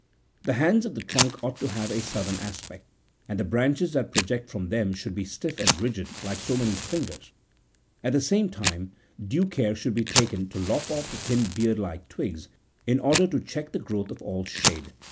The hands56 of the trunk ought to have a southern aspect, and the branches that project from them should be stiff and rigid like so many fingers ; at the same time due care should be taken to lop off the thin beardlike twigs, in order to check the growth of all shade.